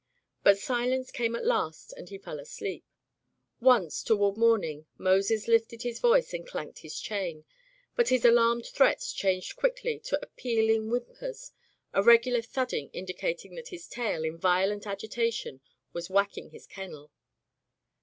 But silence came at last, and he fell asleep. Once, toward morning, Moses lifted his voice and clanked his chain. But his alarmed threats changed quickly to appealing whim pers, a regular thudding indicating that his tail, in violent agitation, was whacking his kennel.